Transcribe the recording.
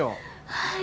はい。